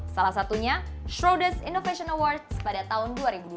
salah satunya shrowdes innovation awards pada tahun dua ribu dua puluh